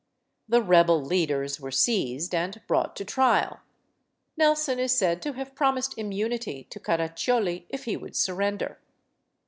The rebel leaders were seized and brought to trial. Nelson is said to have promised immunity to LADY HAMILTON 267 Caraccioli if he would surrender.